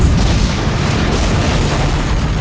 silawahi kamu mengunuh keluarga ku di pesta perjamuan